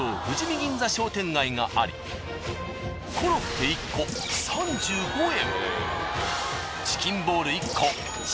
銀座商店街がありコロッケ１個３５円。